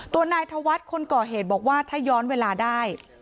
นายธวัฒน์คนก่อเหตุบอกว่าถ้าย้อนเวลาได้